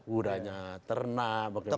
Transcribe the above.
uranya ternak bagaimana